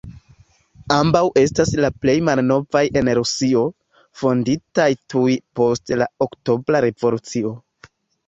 Ambaŭ estas la plej malnovaj en Rusio, fonditaj tuj post la Oktobra revolucio.